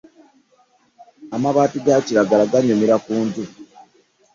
Amabatti gakiragala ganyumira kunju.